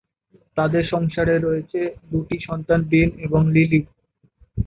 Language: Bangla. তাদের সংসারে রয়েছে দুটি সন্তান- বেন এবং লিলি।